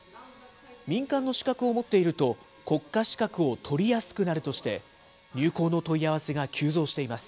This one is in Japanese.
民間の資格を持っていると、国家資格を取りやすくなるとして、入校の問い合わせが急増しています。